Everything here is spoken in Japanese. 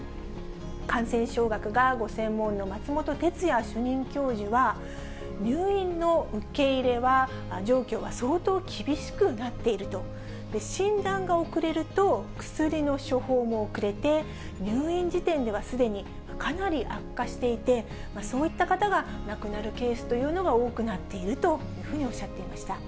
感染症学がご専門の松本哲哉主任教授は、入院の受け入れ状況は相当厳しくなっていると、診断が遅れると、薬の処方も遅れて、入院時点ではすでにかなり悪化していて、そういった方が亡くなるケースというのが多くなっているというふうにおっしゃっていました。